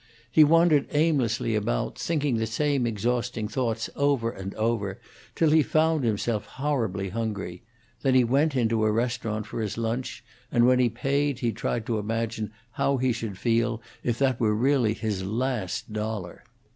He wandered aimlessly about, thinking the same exhausting thoughts over and over, till he found himself horribly hungry; then he went into a restaurant for his lunch, and when he paid he tried to imagine how he should feel if that were really his last dollar.